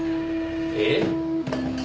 えっ？